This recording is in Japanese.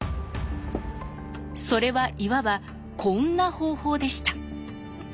それはいわばこんな方法でした。